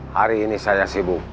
hari ini saya sibuk